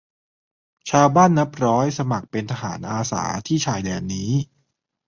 ชาวบ้านนับร้อยสมัครเป็นทหารอาสาที่ชายแดนนี้